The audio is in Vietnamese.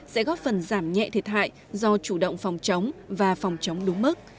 sẽ góp phần giảm nhẹ thiệt hại do chủ động phòng chống và phòng chống đúng mức